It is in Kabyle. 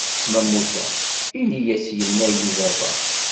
Ma mmuteɣ ini-as yenna-yi baba.